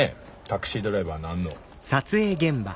タクシードライバーなんの。